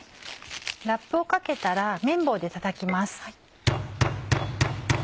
ラップをかけたら麺棒でたたきます。